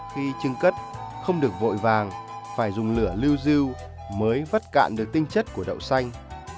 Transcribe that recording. khi chứng cất không được vội vàng phải dùng lửa lưu dư mới vắt cạn được tinh chất của đậu xanh